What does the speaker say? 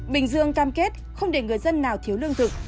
bình dương cam kết không để người dân nào thiếu lương thực